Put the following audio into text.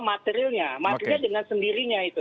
materialnya dengan sendirinya itu